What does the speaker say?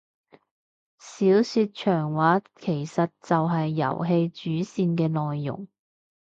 小說長話其實就係遊戲主線嘅內容